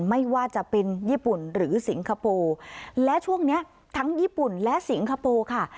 ไม่ว่าจะเป็นญี่ปุ่นหรือสิงคโปร์และช่วงเนี้ยทั้งญี่ปุ่นและสิงคโปร์ค่ะ